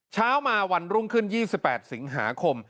เช้ามาวันรุ่งขึ้น๒๘สิงหาคม